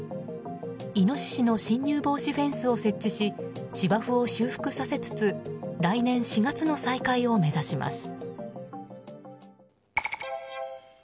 イノシシの侵入防止フェンスを設置し芝生を修復させつつ来年４月の再開を目指します。